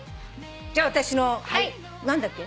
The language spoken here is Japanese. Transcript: じゃあ私の何だっけ？